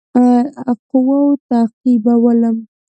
قواوو تعقیبولم.